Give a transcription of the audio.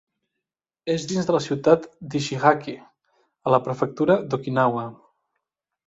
És dins de la ciutat d'Ishigaki, a la prefectura d'Okinawa.